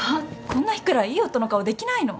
こんな日ぐらいいい夫の顔できないの？